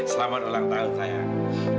selamat ulang tahun sayang